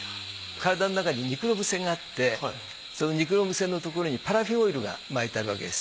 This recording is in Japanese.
体の中にニクロム線があってそのニクロム線のところにパラフィンオイルが巻いてあるわけです。